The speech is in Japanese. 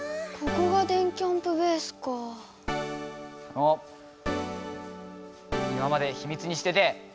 あの今までひみつにしてて。